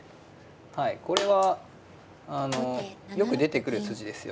はいこれはあのよく出てくる筋ですよね。